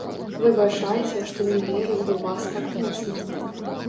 Выбачайце, што не верыў у вас так моцна.